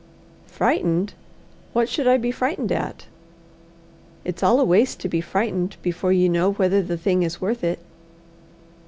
"Frightened? What should I be frightened at? It's all waste to be frightened before you know whether the thing is worth it."